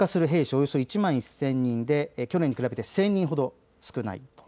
およそ１万１０００人で去年に比べて１０００人ほど少ないと。